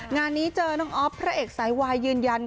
งานนี้เจอน้องอ๊อฟพระเอกสายวายยืนยัน